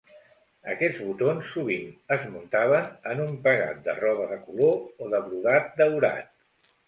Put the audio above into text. Aquests botons sovint es muntaven en un pegat de roba de color o de brodat daurat.